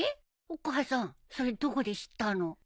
お母さんそれどこで知ったの？